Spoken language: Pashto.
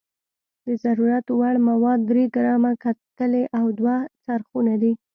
د ضرورت وړ مواد درې ګرامه کتلې او دوه څرخونه دي.